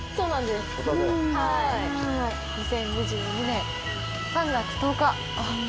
２０２２年３月１０日。